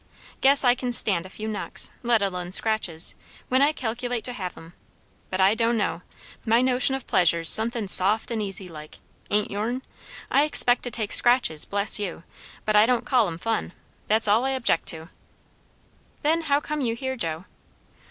"Guess I kin stand a few knocks, let alone scratches, when I calculate to have 'em. But I don' know! my notion of pleasure's sun'thin' soft and easy like; ain't your'n? I expect to take scratches bless you! but I don't call 'em fun. That's all I object to." "Then how come you here, Joe?"